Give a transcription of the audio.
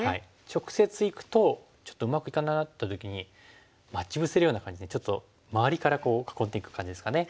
直接いくとちょっとうまくいかないなっていう時に待ち伏せるような感じでちょっと周りから囲っていく感じですかね。